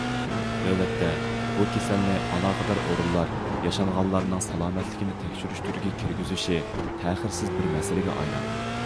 نۆۋەتتە، بۇ كېسەلنى ئالاقىدار ئورۇنلار ياشانغانلارنىڭ سالامەتلىكىنى تەكشۈرۈش تۈرىگە كىرگۈزۈشى تەخىرسىز بىر مەسىلىگە ئايلاندى.